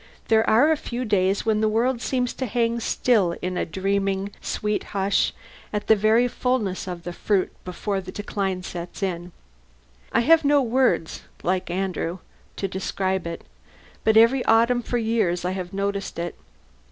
There are a few days when the world seems to hang still in a dreaming, sweet hush, at the very fulness of the fruit before the decline sets in. I have no words (like Andrew) to describe it, but every autumn for years I have noticed it.